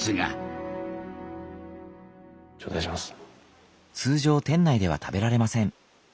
頂戴します。